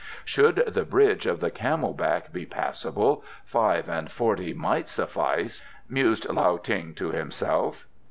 "Should the Bridge of the Camel Back be passable, five and forty might suffice," mused Lao Tung to himself.